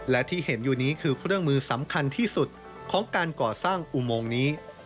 และที่เห็นอยู่นี้คือเครื่องมือสำคัญที่สุดของการก่อสร้างอุโมงนี้